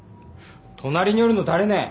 隣におるの誰ね？